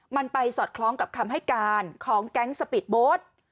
มันไปสอดคล้องกับคำให้การของแก๊งสปีดโบ๊ท